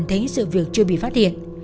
thấy sự việc chưa bị phát hiện